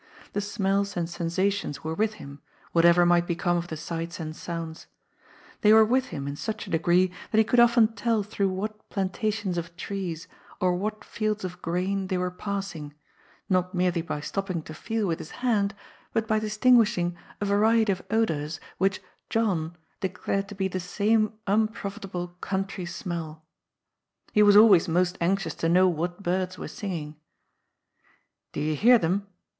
The smells and sensations were with him, whatever might become of the sights and sounds. They were with him in such a degree that he could often tell through what plantations of trees or what fields of grain they were passing, not merely by stopping to feel with his A PRINCE AMONG PAUPERS. 201 hand, but by distinguishing a yariety of odours which " John " declared to be the same unprofitable " country smell." He was always most anxious to know what birds were singing. "Do you hear them?"